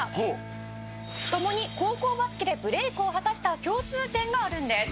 「共に高校バスケでブレークを果たした共通点があるんです」